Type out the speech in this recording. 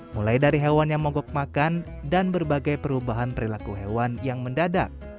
mulai dari hewan yang mogok makan dan berbagai perubahan perilaku hewan yang mendadak